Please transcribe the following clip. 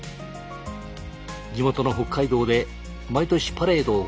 地元の北海道で毎年パレードを開催。